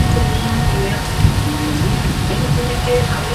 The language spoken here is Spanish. Se entregan dos puntos por victoria y uno por derrota.